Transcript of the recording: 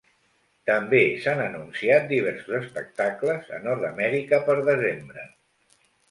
També s'han anunciat diversos espectacles a Nord-amèrica per desembre.